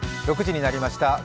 ６時になりました。